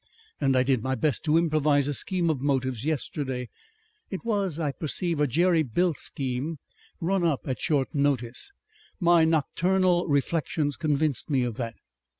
And I did my best to improvise a scheme of motives yesterday. It was, I perceive, a jerry built scheme, run up at short notice. My nocturnal reflections convinced me of that.